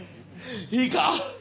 いいか？